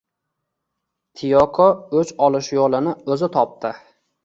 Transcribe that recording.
Tiyoko o`ch olish yo`lini o`zi topdi